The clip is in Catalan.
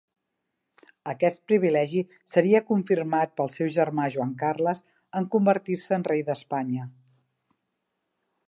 Aquest privilegi seria confirmat pel seu germà Joan Carles en convertir-se en rei d'Espanya.